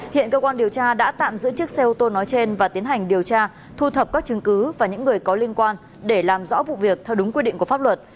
hiện cơ quan điều tra đã tạm giữ chiếc xe ô tô nói trên và tiến hành điều tra thu thập các chứng cứ và những người có liên quan để làm rõ vụ việc theo đúng quy định của pháp luật